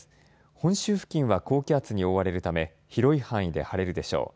本州付近は高気圧に覆われるため広い範囲で晴れるでしょう。